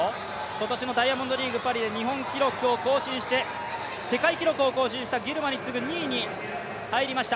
今年のダイヤモンドリーグ・パリで日本記録を更新して世界記録を更新したギルマに次ぐ２位となりました。